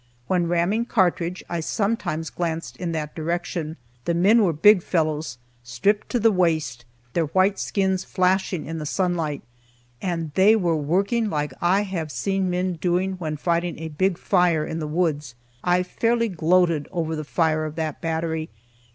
When ramming cartridge, I sometimes glanced in that direction. The men were big fellows, stripped to the waist, their white skins flashing in the sunlight, and they were working like I have seen men doing when fighting a big fire in the woods. I fairly gloated over the fire of that battery.